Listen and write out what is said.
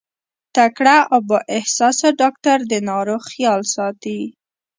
تکړه او با احساسه ډاکټر د ناروغ خيال ساتي.